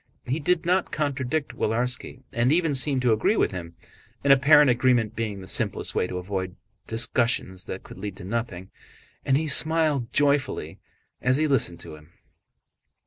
He did not contradict Willarski and even seemed to agree with him—an apparent agreement being the simplest way to avoid discussions that could lead to nothing—and he smiled joyfully as he listened to him.